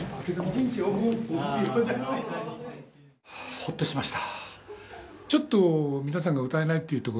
ホッとしました。